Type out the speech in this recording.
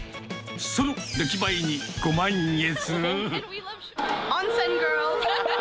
その出来栄えにご満悦。